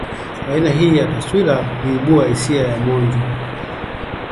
Aina hii ya taswira huibua hisia ya mwonjo